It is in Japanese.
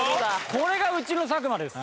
これがうちの作間です。